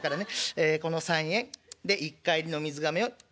えこの３円。で一荷入りの水がめをおっと６円。